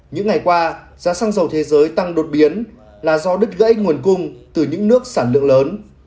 những ngày qua giá xăng dầu thế giới tăng đột biến là do đứt gãy nguồn cung từ những nước sản lượng lớn